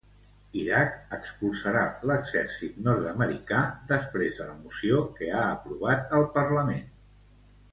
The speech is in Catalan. Iraq expulsarà l'exèrcit nord-americà, després de la moció que ha aprovat el parlament.